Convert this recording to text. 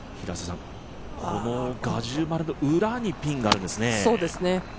このガジュマルの裏にピンがあるんですね。